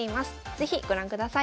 是非ご覧ください。